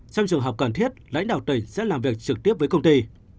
trong trường hợp cần thiết lãnh đạo tỉnh sẽ làm việc trực tiếp với công ty